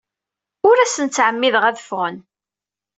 Ur asen-ttɛemmideɣ ad ffɣen.